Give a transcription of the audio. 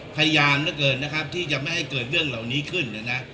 พยายามเหลือเกินนะครับที่จะไม่ให้เกิดเรื่องเหล่านี้ขึ้นเนี่ยนะ